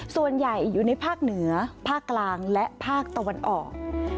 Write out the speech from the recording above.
ส่วนใหญ่อยู่ในภาคเหนือภาคกลางและภาคตะวันออก